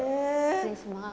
失礼します。